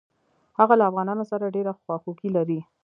هغه له افغانانو سره ډېره خواخوږي لري.